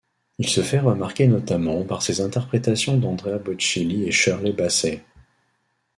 Il se fait remarquer notamment par ses interprétations d'Andrea Bocelli et Shirley Bassey.